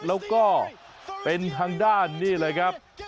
แล้วก็เป็นทางด้านนี่เลยครับ